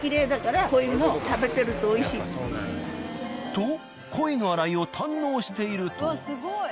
と鯉のあらいを堪能していると。